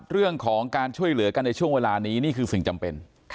เรื่องของการช่วยเหลือกันในช่วงเวลานี้นี่คือสิ่งจำเป็น